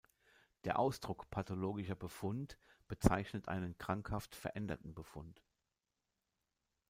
Der Ausdruck „pathologischer Befund“ bezeichnet einen krankhaft veränderten Befund.